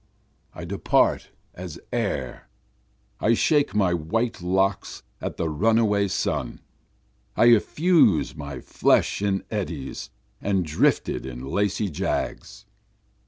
I depart as air, I shake my white locks at the runaway sun, I effuse my flesh in eddies, and drift it in lacy jags.